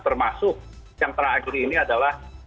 termasuk yang terakhir ini adalah